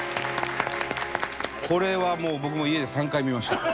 これはもう僕も家で３回見ました。